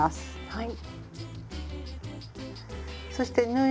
はい。